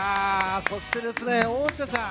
そして、大下さん